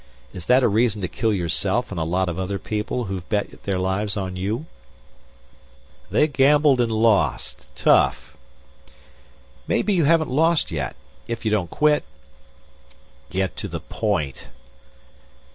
Is that a reason to kill yourself and a lot of other people who've bet their lives on you?" "They gambled and lost. Tough." "Maybe you haven't lost yet if you don't quit." "Get to the point!"